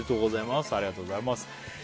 ありがとうございます。